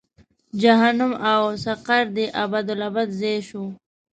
جهنم او سقر دې ابد لا ابد ځای شو.